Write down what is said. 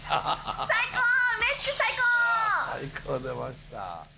「最高」出ました。